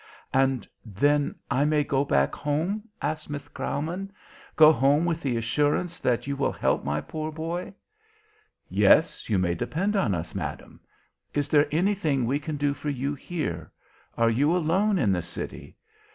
"And then I may go back home?" asked Miss Graumann. "Go home with the assurance that you will help my poor boy?" "Yes, you may depend on us, Madam. Is there anything we can do for you here? Are you alone in the city?"